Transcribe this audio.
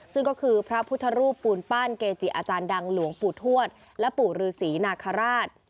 ซึ่งก็คือพระพุทธรูปปูนปั้นเกจิอาจารย์ดังหลวงปู่ทวดและปู่ฤษีนาคาราช